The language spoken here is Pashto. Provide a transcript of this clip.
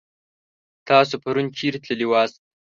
تاسو پرون چيرې تللي واست؟